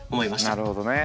なるほどね。